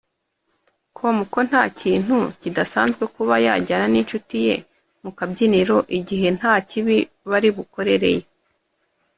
com ko nta kintu kidasanzwe kuba yajyana n’inshuti ye mu kabyiniro igihe ntakibi bari bukorereyo